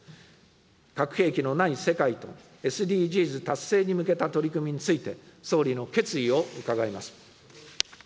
核兵器のない世界とＳＤＧｓ達成に向けた取り組みについて、総理の決意を伺います。